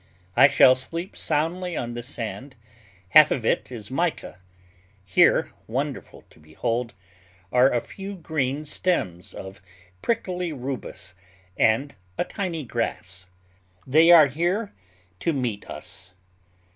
I shall sleep soundly on this sand; half of it is mica. Here, wonderful to behold, are a few green stems of prickly rubus, and a tiny grass. They are here to meet us.